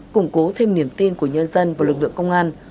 củng cố thêm niềm tin của nhân dân và lực lượng công an